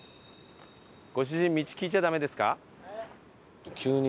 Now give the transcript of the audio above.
ご主人道聞いちゃダメですか？